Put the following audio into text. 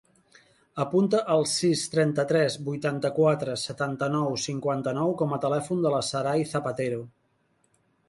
Apunta el sis, trenta-tres, vuitanta-quatre, setanta-nou, cinquanta-nou com a telèfon de la Saray Zapatero.